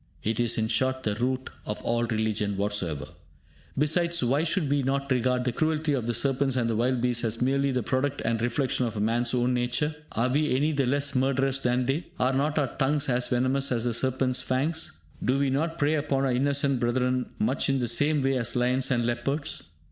It is, in short, the root of all religion whatsoever. Besides, why should we not regard the cruelty of the serpents and the wild beasts as merely the product and reflection of man's own nature? Are we any the less murderous than they? Are not our tongues as venomous as the serpent's fangs? Do we not prey upon our innocent brethren much in the same way as lions and leopards?